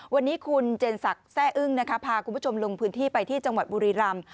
วันนี้คุณเจนศักดิ์แซ่อึ้งนะคะพาคุณผู้ชมลงพื้นที่ไปที่จังหวัดบุรีรำ